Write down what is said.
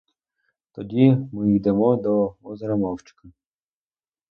Тоді ми йдемо до озера мовчки.